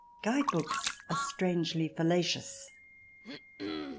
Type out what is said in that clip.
Guide books are strangely fallacious.